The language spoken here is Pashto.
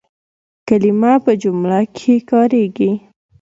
کلیمه په جمله کښي کارېږي.